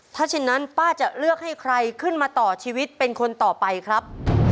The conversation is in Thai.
ถ้าเช่นนั้นป้าจะเลือกให้ใครขึ้นมาต่อชีวิตเป็นคนต่อไปครับ